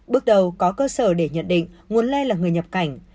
bước đầu có cơ sở để nhận định nguồn lây là người nhập cảnh